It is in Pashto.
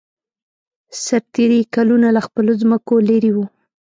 سرتېري کلونه له خپلو ځمکو لېرې وو.